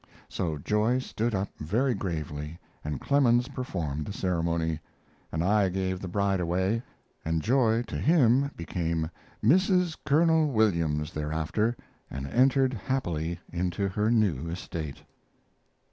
So Joy stood up very gravely and Clemens performed the ceremony, and I gave the bride away, and Joy to him became Mrs. Colonel Williams thereafter, and entered happily into her new estate.